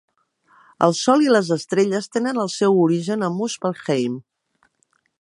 El sol i les estrelles tenen el seu origen a Muspelheim.